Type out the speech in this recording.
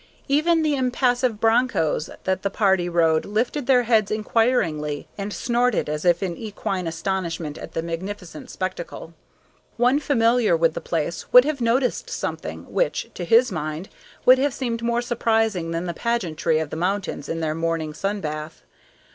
Even the impassive broncos that the party rode lifted their heads inquiringly, and snorted as if in equine astonishment at the magnificent spectacle. One familiar with the place would have noticed something, which, to his mind, would have seemed more surprising than the pageantry of the mountains in their morning sun bath.